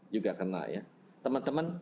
juga kena ya teman teman